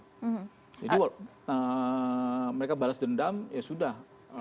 jadi mereka balas dendam ya sudah